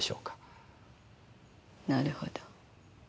なるほど。